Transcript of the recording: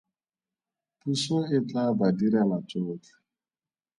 Puso e tla ba direla tsotlhe.